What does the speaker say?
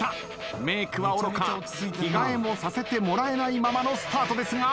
メークはおろか着替えもさせてもらえないままのスタートですが。